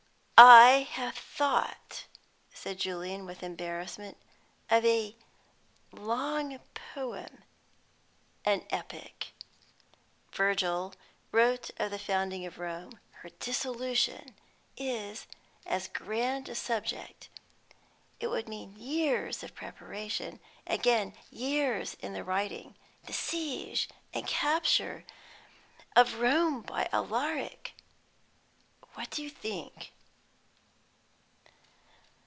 "I have thought," said Julian, with embarrassment, "of a long poem an Epic. Virgil wrote of the founding of Rome; her dissolution is as grand a subject. It would mean years of preparation, and again years in the writing. The siege and capture of Rome by Alaric what do you think?"